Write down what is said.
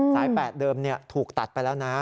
สาย๘เดิมถูกตัดไปแล้วนะ